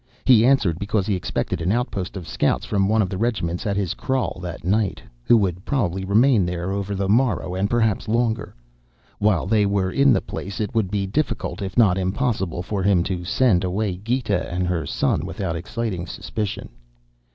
He answered because he expected an outpost of scouts from one of the regiments at his kraal that night, who would probably remain there over the morrow and perhaps longer. While they were in the place it would be difficult, if not impossible, for him to send away Gita and her son without exciting suspicion.